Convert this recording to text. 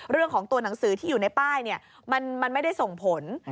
เรื่องของตัวหนังสือที่อยู่ในป้ายมันไม่ได้ส่งผล